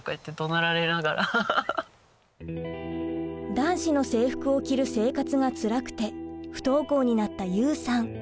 男子の制服を着る生活がつらくて不登校になったユウさん。